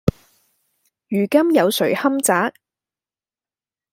如今有誰堪摘﹖